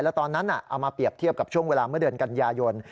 แล้วตอนนั้นเอามาเปรียบเทียบกับช่วงเวลาเมื่อเดือนกันยายน